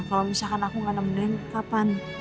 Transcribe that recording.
kalau misalkan aku gak nemendeng kapan